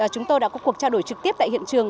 chúng tôi đã có cuộc trao đổi trực tiếp tại hiện trường